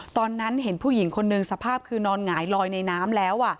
ตอนนั้นเห็นผู้หญิงคนนึงสภาพคือนอนหงายลอยในน้ำแล้ว